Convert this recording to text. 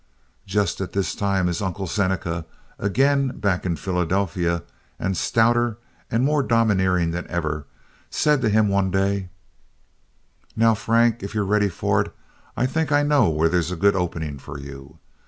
Just at this time his Uncle Seneca, again back in Philadelphia and stouter and more domineering than ever, said to him one day: "Now, Frank, if you're ready for it, I think I know where there's a good opening for you.